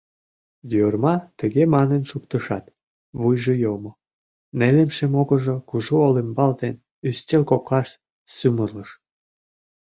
— Йорма тыге манын шуктышат, вуйжо йомо, нелемше могыржо кужу олымбал ден ӱстел коклаш сӱмырлыш.